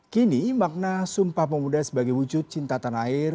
kini makna sumpah pemuda sebagai wujud cinta tanah air